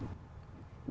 bản lĩnh là gì